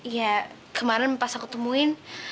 ya kemarin pas aku temuin